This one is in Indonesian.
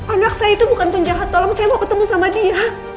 anak saya itu bukan penjahat tolong saya mau ketemu sama dia